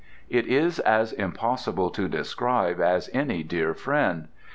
It is as impossible to describe as any dear friend.